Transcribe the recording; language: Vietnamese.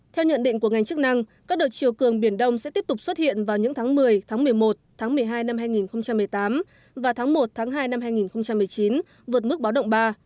theo nhận định của ngành chức năng các đợt chiều cường biển đông sẽ tiếp tục xuất hiện vào những tháng một mươi tháng một mươi một tháng một mươi hai năm hai nghìn một mươi tám và tháng một tháng hai năm hai nghìn một mươi chín vượt mức báo động ba